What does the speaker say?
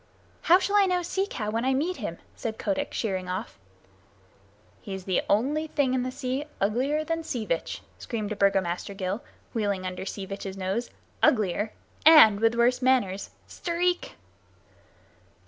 "How shall I know Sea Cow when I meet him?" said Kotick, sheering off. "He's the only thing in the sea uglier than Sea Vitch," screamed a Burgomaster gull, wheeling under Sea Vitch's nose. "Uglier, and with worse manners! Stareek!"